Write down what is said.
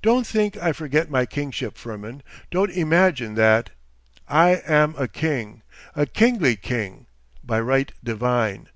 Don't think I forget my kingship, Firmin, don't imagine that. I am a king, a kingly king, by right divine.